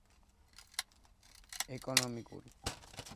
ეკონომიკური ზრდის მაჩვენებლად გამოიყენება რეალური მშპ-ის ზრდის წლიური ტემპი.